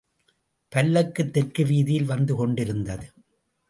பல்லக்கு தெற்கு வீதியில் வந்து கொண்டிருந்தது.